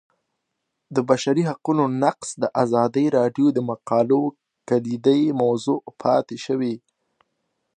د بشري حقونو نقض د ازادي راډیو د مقالو کلیدي موضوع پاتې شوی.